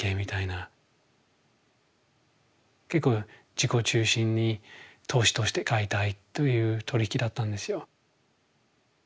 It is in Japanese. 結構自己中心に投資として買いたいという取り引きだったんですよ。